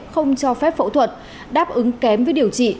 không cho phép phẫu thuật đáp ứng kém với điều trị